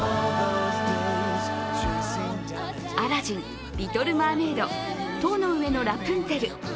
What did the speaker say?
アラジン、リトル・マーメイド、塔の上のラプンツェル。